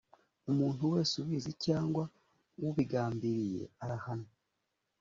umuntu wese ubizi cyangwa ubigambiriye arahanwa